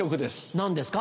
何ですか？